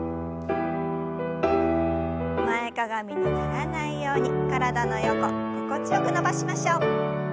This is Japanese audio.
前かがみにならないように体の横心地よく伸ばしましょう。